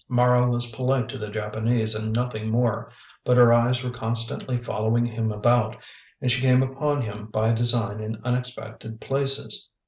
Mara was polite to the Japanese and nothing more; but her eyes were constantly following him about, and she came upon him by design in unexpected places.